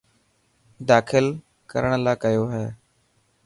داخل ڪرڻ لاءِ ڪيو هي.